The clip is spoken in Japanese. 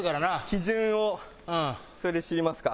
基準をそれで知りますか。